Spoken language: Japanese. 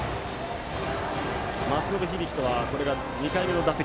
松延響とは、これが２回目の打席。